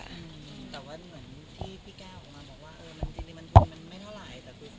แต่ว่าเหมือนที่พี่แก้วออกมาบอกว่าเออจริงมันทุนมันไม่เท่าไหร่แต่ทุนขวัญก็เอามาเยอะ